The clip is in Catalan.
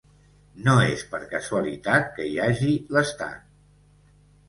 No és per casualitat que hi hagi l’estat.